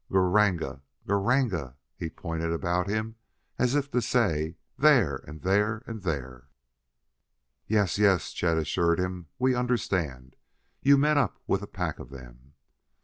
"Gr r ranga! Gr r ranga!" He pointed about him as if to say: "There! and there! and there!" "Yes, yes!" Chet assured him. "We understand: you met up with a pack of them."